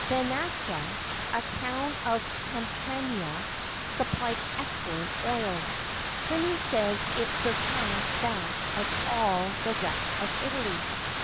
[XII 36] Venafra, a town of Campania, supplied excellent oil.[XII 37] Pliny says that it surpassed that of all the rest of Italy.